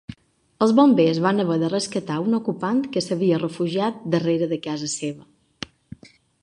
Els bombers van haver de rescatar un ocupant que s'havia refugiat darrera de casa seva.